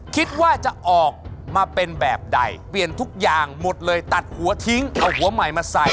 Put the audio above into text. คิดว่าจะออกมาเป็นแบบใดเปลี่ยนทุกอย่างหมดเลยตัดหัวทิ้งเอาหัวใหม่มาใส่